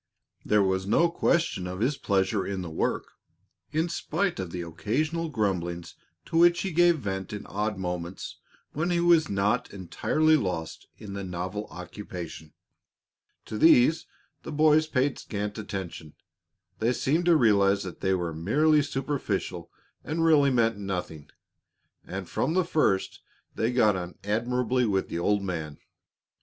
There was no question of his pleasure in the work, in spite of the occasional grumblings to which he gave vent in odd moments when he was not entirely lost in the novel occupation. To these the boys paid scant attention. They seemed to realize that they were merely superficial and really meant nothing, and from the first they got on admirably with the old man.